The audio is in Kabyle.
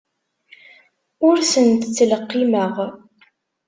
Ur tent-ttleqqimeɣ.